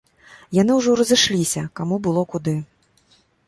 Яны ўжо разышліся, каму было куды.